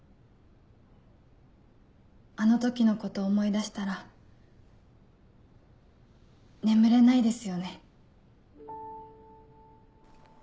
あの時のこと思い出したら眠れないですよね。